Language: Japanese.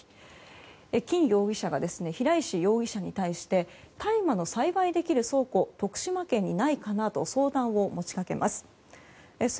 金容疑者が平石容疑者に対して大麻の栽培できる倉庫徳島県にないかなと相談を持ち掛けます。